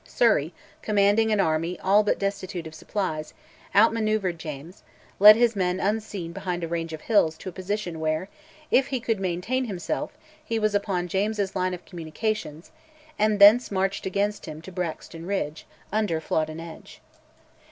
Surrey, commanding an army all but destitute of supplies, outmanoeuvred James, led his men unseen behind a range of hills to a position where, if he could maintain himself, he was upon James's line of communications, and thence marched against him to Branxton Ridge, under Flodden Edge.